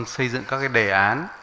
xây dựng các đề án